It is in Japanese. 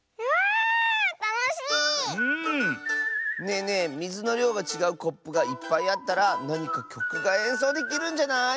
ねえねえみずのりょうがちがうコップがいっぱいあったらなにかきょくがえんそうできるんじゃない？